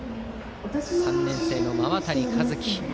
３年生の馬渡和樹。